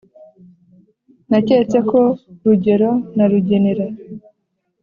naketse ko rugero na rugenera